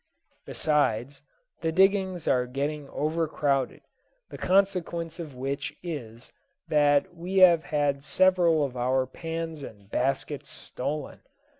Besides, the diggings are getting overcrowded; the consequence of which is, that we have had several of our pans and baskets stolen.